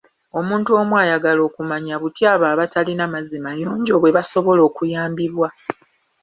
Omuntu omu ayagala okumanya butya abo abatalina mazzi mayonjo bwe basobola okuyambibwa.